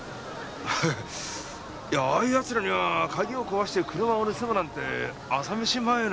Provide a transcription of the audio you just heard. ハハッいやああいう奴らには鍵を壊して車を盗むなんて朝飯前なんじゃないの？